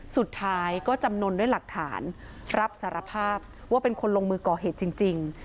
สุดท้ายก็จำนวนด้วยหลักฐานรับสารภาพว่าเป็นคนลงมือก่อเหตุจริง